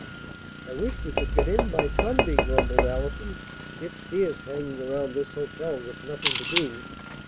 "I wish we could get in by Sunday," grumbled Allison. "It's fierce hanging around this hotel with nothing to do."